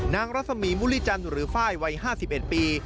นางรัศมีมุริจันทร์หรือฝ้ายวัย๕๑ปี